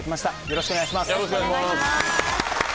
よろしくお願いします